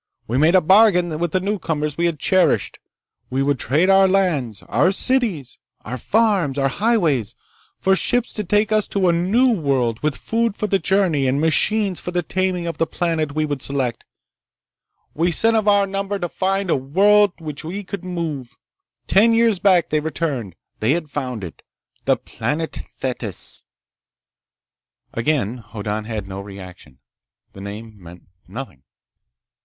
We made a bargain with the newcomers we had cherished. We would trade our lands, our cities, our farms, our highways, for ships to take us to a new world with food for the journey and machines for the taming of the planet we would select. We sent of our number to find a world to which we could move. Ten years back, they returned. They had found it. The planet Thetis." Again Hoddan had no reaction. The name meant nothing.